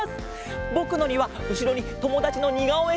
ぼくのにはうしろにともだちのにがおえ